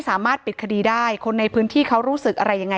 ถ้าใครอยากรู้ว่าลุงพลมีโปรแกรมทำอะไรที่ไหนยังไง